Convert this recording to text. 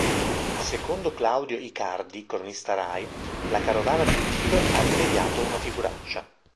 Secondo Claudio Icardi, cronista Rai, la carovana del Giro "ha rimediato una figuraccia".